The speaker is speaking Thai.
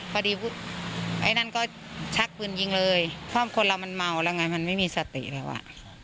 ไอ้นั่นก็ชักปืนยิงเลยเพราะคนเรามันเมาแล้วไงมันไม่มีสติแล้วอ่ะ